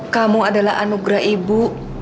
kamu adalah anugerah ibu